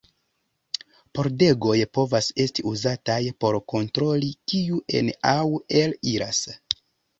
Pordegoj povas esti uzataj por kontroli kiu en- aŭ el-iras.